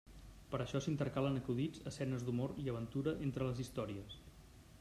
Per això s'intercalen acudits, escenes d'humor i aventura entre les històries.